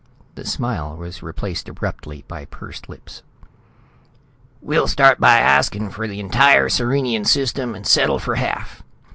The smile was replaced abruptly by pursed lips. "We'll start by asking for the entire Sirenian System, and settle for half.